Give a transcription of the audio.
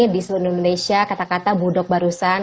di seluruh indonesia kata kata budok barusan